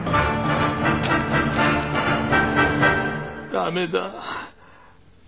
駄目だ。